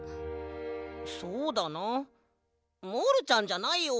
そうだなモールちゃんじゃないよ。